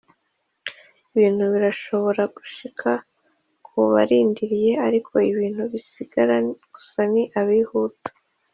“ibintu birashobora gushika ku barindiriye, ariko ibintu bisigara gusa n'abihuta.”